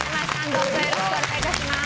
どうぞよろしくお願い致します。